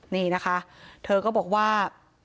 นี่นะคะเธอก็บอกว่า